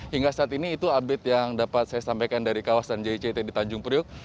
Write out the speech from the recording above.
hingga saat ini itu update yang dapat saya sampaikan dari kawasan jict di tanjung priok